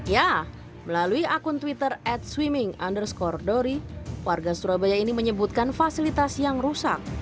ya melalui akun twitter at swimming underscore dori warga surabaya ini menyebutkan fasilitas yang rusak